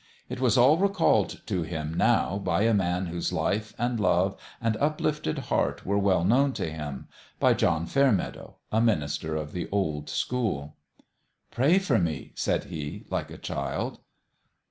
It was all recalled to him, now, by a man whose life and love and uplifted heart were well known to him by John Fairmeadow, a minister of the old school. "Pray for me," said he, like a child.